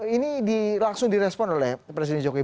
ini langsung di respon oleh presiden jokowi